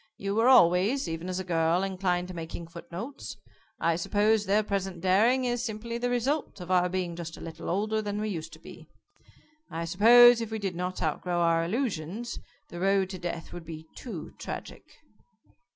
You were always, even as a girl, inclined to making footnotes. I suppose their present daring is simply the result of our being just a little older than we used to be. I suppose if we did not outgrow our illusions, the road to death would be too tragic."